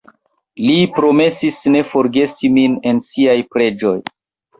Li promesis ne forgesi min en siaj preĝoj.